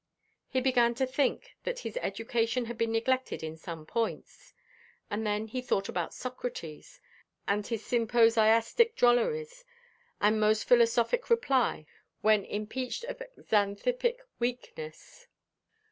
He began to think that his education had been neglected in some points. And then he thought about Socrates, and his symposiastic drolleries, and most philosophic reply when impeached of Xanthippic weakness.